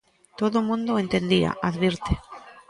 "Todo o mundo o entendía", advirte.